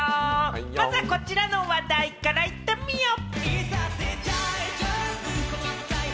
まずはこちらの話題から行ってみよう！